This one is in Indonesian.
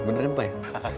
beneran pak ya